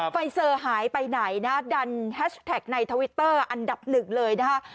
ไฟเซอร์หายไปไหนนะดันแฮชแท็กในทวิตเตอร์อันดับหนึ่งเลยนะคะ